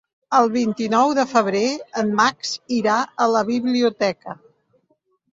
El vint-i-nou de febrer en Max irà a la biblioteca.